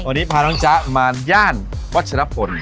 วันนี้พาน้องจ๊ะมาย่านวัชรพล